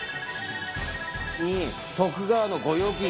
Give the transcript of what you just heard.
徳川の御用金。